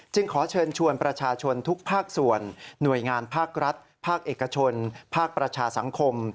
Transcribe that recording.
ขอเชิญชวนประชาชนทุกภาคส่วนหน่วยงานภาครัฐภาคเอกชนภาคประชาสังคม